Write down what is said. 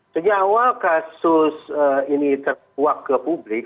sejak awal kasus ini terkuak ke publik